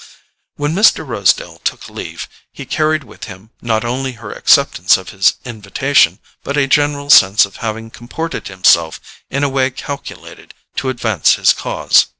When Mr. Rosedale took leave, he carried with him, not only her acceptance of his invitation, but a general sense of having comported himself in a way calculated to advance his cause.